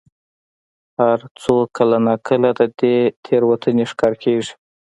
هر څوک کله نا کله د دې تېروتنې ښکار کېږي.